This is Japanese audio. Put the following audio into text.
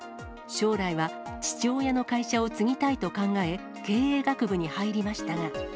将来は父親の会社を継ぎたいと考え、経営学部に入りましたが。